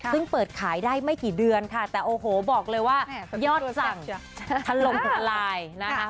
ซึ่งเปิดขายได้ไม่กี่เดือนค่ะแต่โอ้โหบอกเลยว่ายอดสั่งถล่มทลายนะคะ